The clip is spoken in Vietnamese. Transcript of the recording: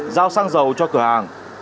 giao xăng dầu cho cửa hàng